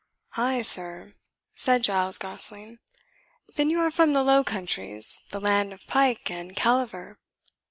"Ay, sir?" said Giles Gosling; "then you are from the Low Countries, the land of pike and caliver?"